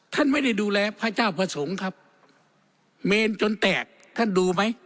ท่านไม่ได้ดูแลพระเจ้าพระสงฆ์ครับเมนจนแตกท่านดูไหม